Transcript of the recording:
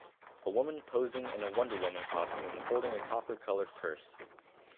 A woman posing in a Wonder Woman costume holding a copper colored purse